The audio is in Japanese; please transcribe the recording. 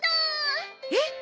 えっ？